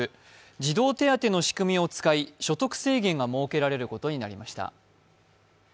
児童手当の仕組みを使い所得制限が設けられることになりました。